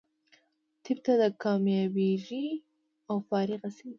طب ته کامیابېږي او فارغه شي.